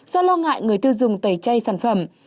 do lo ngại người tiêu dùng tẩy chay sản phẩm